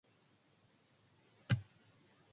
They are pollinated by bees.